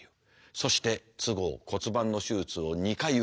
そして都合骨盤の手術を２回受けた。